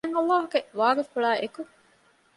މާތް ﷲ ގެ ވާގިފުޅާއި އެކު